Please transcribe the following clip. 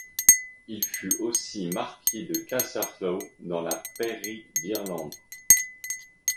Il fut aussi marquis de Catherlough dans la Pairie d'Irlande.